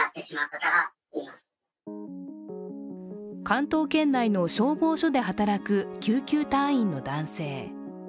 関東圏内の消防署で働く救急隊員の男性。